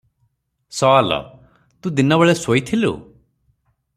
ସୱାଲ - ତୁ ଦିନବେଳେ ଶୋଇଥିଲୁ?